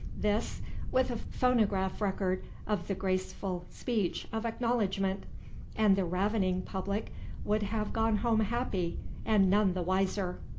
This, with a phonograph record of the graceful speech of acknowledgment, and the ravening public would have gone home happy and none the wiser.